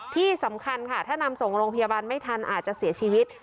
ที่สำคัญค่ะถ้านำส่งโรงพยาบาลไม่ทันอาจจะเสียชีวิต